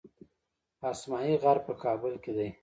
اسمايي غر په کابل کې دی